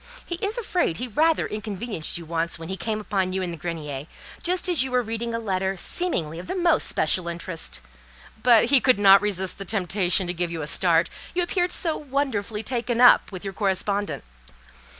He is afraid he rather inconvenienced you once when he came upon you in the grenier, just as you were reading a letter seemingly of the most special interest; but he could not resist the temptation to give you a start, you appeared so wonderfully taken up with your correspondent.